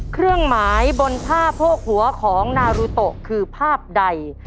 เครื่องหมายบนผ้าโพกหัวของนารุโตะคือภาพใด